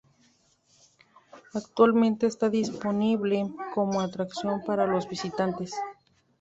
Actualmente está disponible como atracción para los visitantes.